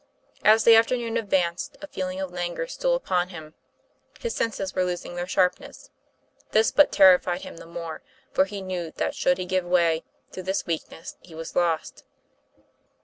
As the afternoon advanced, a feeling of languor stole upon him; his senses were losing their sharpness. This but terrified him the more, for he knew that, should he give way to this weakness, he was lost.